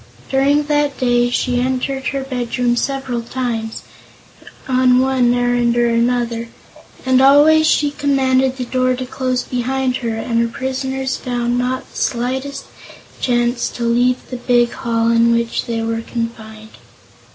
During that day she entered her bedroom several times, on one errand or another, but always she commanded the door to close behind her and her prisoners found not the slightest chance to leave the big hall in which they were confined.